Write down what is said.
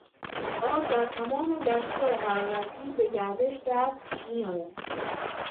آب در تمام دستگاه حرارتی به گردش درمیآید.